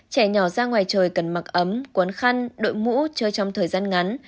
trẻ nhỏ ra ngoài trời cần mặc ấm quấn khăn đội mũ chơi trong thời gian ngắn